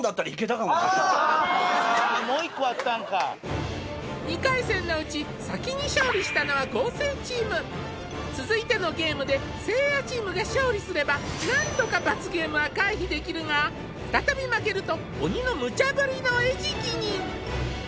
あもう一個あったんか２回戦のうち先に勝利したのは昴生チーム続いてのゲームでせいやチームが勝利すればなんとか罰ゲームは回避できるが再び負けると鬼のムチャブリの餌食に！